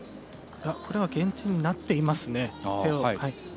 これは減点になっていますね。